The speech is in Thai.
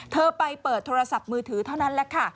เธอไปเปิดโทรศัพท์มือถือเท่านั้นแหละค่ะ